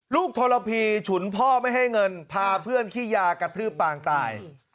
ทรพีฉุนพ่อไม่ให้เงินพาเพื่อนขี้ยากระทืบปางตาย